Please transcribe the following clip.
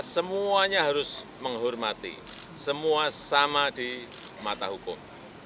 semuanya harus menghormati semua sama di mata hukum